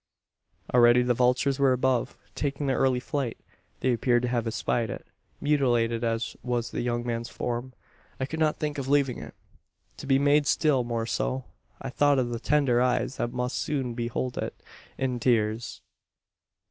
Already the vultures were above taking their early flight. They appeared to have espied it. "Mutilated as was the young man's form, I could not think of leaving it, to be made still more so. I thought of the tender eyes that must soon behold it in tears."